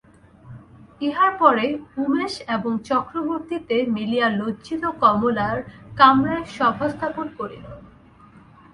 ইহার পরে উমেশ এবং চক্রবর্তীতে মিলিয়া লজ্জিত কমলার কামরায় সভাস্থাপন করিল।